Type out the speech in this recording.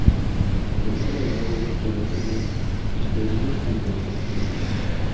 La película ganó varios premios Ariel, entre ellos el de "Mejor película".